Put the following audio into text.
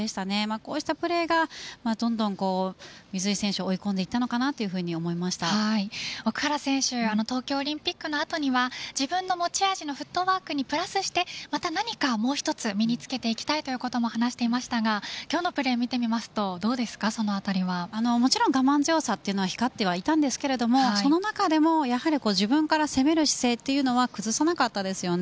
こうしたプレーが、どんどん水井選手を追い込んでいったのかなと奥原選手が東京オリンピックの後には自分の持ち味のフットワークにプラスしてまた何かもう一つ身につけていきたいということも話していましたが今日のプレーを見てみますともちろん我慢強さは光っていたんですがその中でも自分から攻める姿勢というのは崩さなかったですよね。